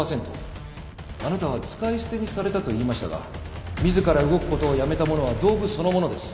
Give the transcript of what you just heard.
あなたは使い捨てにされたと言いましたが自ら動くことをやめた者は道具そのものです。